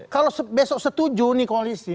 kalau besok setuju nih koalisi